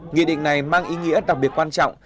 nghị định này mang ý nghĩa đặc biệt quan trọng